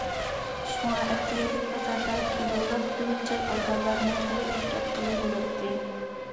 شۇڭا ئەتىگەنلىك بازاردا كىلولاپ گۈلچاي ئالغانلارنى خېلى ئۇچراتقىلى بولاتتى.